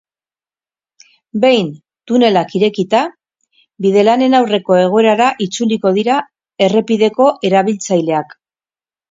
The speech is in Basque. Behin tunelak irekita, bidelanen aurreko egoerara itzuliko dira errepideko erabiltzaileak.